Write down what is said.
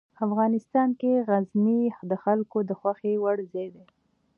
افغانستان کې غزني د خلکو د خوښې وړ ځای دی.